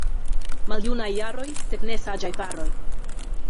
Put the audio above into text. Maljunaj jaroj, sed ne saĝaj faroj.